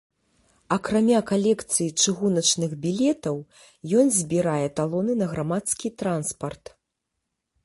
Акрамя калекцыі чыгуначных білетаў, ён збірае талоны на грамадскі транспарт.